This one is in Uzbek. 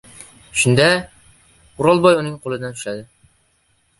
Shunda, O’rolboy uning qo‘lidan ushladi.